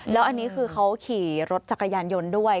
แล้วอันนี้คือเขาขี่รถจักรยานยนต์ด้วย